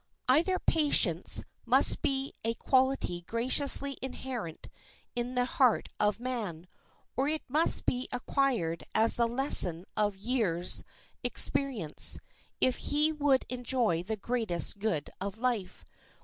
Either patience must be a quality graciously inherent in the heart of man, or it must be acquired as the lesson of years' experience, if he would enjoy the greatest good of life.